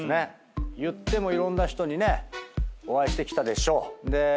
言ってもいろんな人にねお会いしてきたでしょう。